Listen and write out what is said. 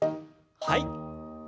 はい。